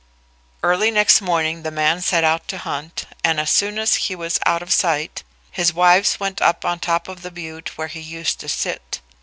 Early next morning the man set out to hunt, and as soon as he was out of sight his wives went up on top of the butte where he used to sit.